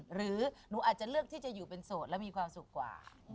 หรือหนูอาจจะเลือกที่จะอยู่เป็นโสดและมีความสุขกว่า